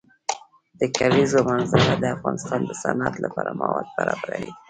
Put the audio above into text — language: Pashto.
د کلیزو منظره د افغانستان د صنعت لپاره مواد برابروي.